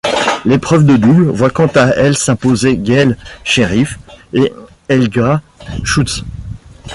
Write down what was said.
L'épreuve de double voit quant à elle s'imposer Gail Sherriff et Helga Schultze.